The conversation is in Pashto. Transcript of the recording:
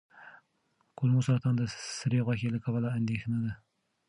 کولمو سرطان د سرې غوښې له کبله اندېښنه ده.